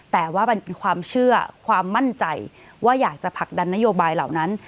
แต่ว่ามันเป็นความเชื่อความมั่นใจว่าอยากจะผลักดันนโยบายเหล่านั้น